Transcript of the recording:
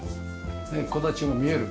ねえ木立も見える。